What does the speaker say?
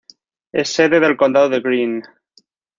Es sede del condado de Greene.